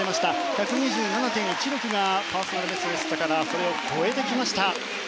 １２７．１６がパーソナルベストでしたからそれを超えてきました。